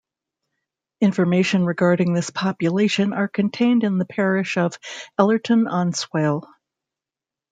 Information regarding this population are contained in the parish of Ellerton-on-Swale.